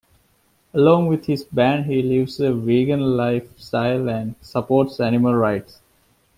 Along with his band, he lives a vegan lifestyle and supports animal rights.